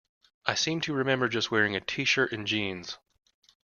I seem to remember just wearing a t-shirt and jeans.